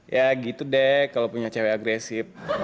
ya gitu deh kalau punya cewek agresif